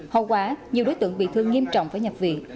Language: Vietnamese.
hầu quả nhiều đối tượng bị thương nghiêm trọng phải nhập viện